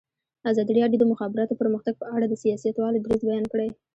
ازادي راډیو د د مخابراتو پرمختګ په اړه د سیاستوالو دریځ بیان کړی.